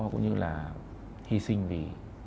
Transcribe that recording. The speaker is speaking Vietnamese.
cũng như là hy sinh vì